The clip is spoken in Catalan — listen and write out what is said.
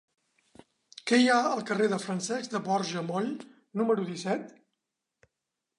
Què hi ha al carrer de Francesc de Borja Moll número disset?